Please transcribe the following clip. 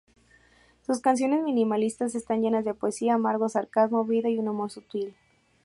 Sus canciones minimalistas están llenas de poesía, amargo sarcasmo, vida y un humor sutil.